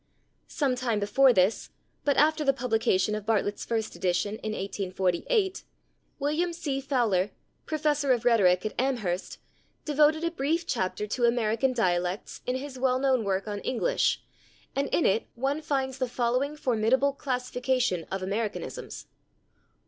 Some time before this, but after the publication of Bartlett's first edition in 1848, William C. Fowler, professor of rhetoric at Amherst, devoted a brief chapter to "American Dialects" in his well known work on English and in it one finds the following formidable classification of Americanisms: 1.